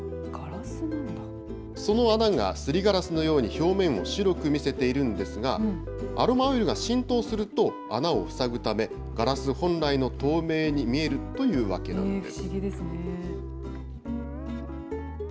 その穴がすりガラスのように表面を白く見せているんですが、アロマオイルが浸透すると穴を塞ぐため、ガラス本来の透明に見えるというわけなんです。